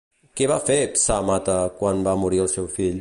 Què va fer Psàmate quan va morir el seu fill?